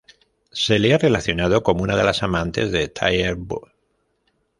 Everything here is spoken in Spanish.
Se la ha relacionado como una de las amantes de Tiger Woods.